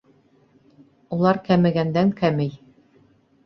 Улар кәмегәндән кәмей.